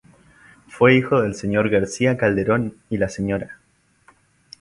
Fue hijo del señor García Calderón y la sra.